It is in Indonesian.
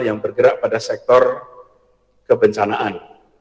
yang bergerak pada sektor kebencanaan